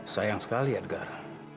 sayang sekali edgar